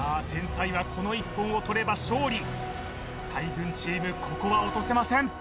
天才はこの１本をとれば勝利大群チームここは落とせません